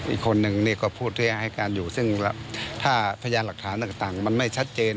อีกคนนึงนี่ก็พูดที่ให้การอยู่ซึ่งถ้าพยานหลักฐานต่างมันไม่ชัดเจน